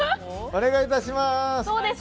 お願いいたします。